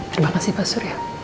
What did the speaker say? terima kasih pak surya